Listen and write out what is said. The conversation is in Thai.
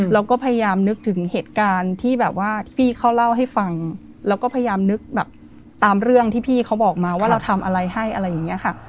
เราก็พยายามนึกถึงเหตุการณ์ที่แบบว่าที่พี่เขาเล่าให้ฟังแล้วก็พยายามนึกแบบตามเรื่องที่พี่เขาบอกมาว่าเราทำอะไรให้อะไรอย่างนี้ค่ะ